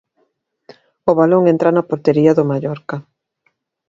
O balón entra na portería do Mallorca.